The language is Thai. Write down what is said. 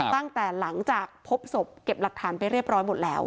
ตั้งแต่หลังจากพบศพเก็บหลักฐานไปเรียบร้อยหมดแล้ว